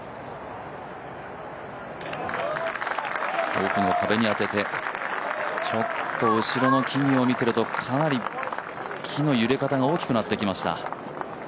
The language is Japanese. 奥の壁に当てて、ちょっと後ろの木々を見てるとかなり木の揺れ方が大きくなってきました。